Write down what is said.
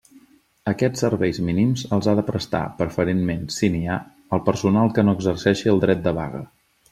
Aquests serveis mínims els ha de prestar, preferentment, si n'hi ha, el personal que no exerceixi el dret de vaga.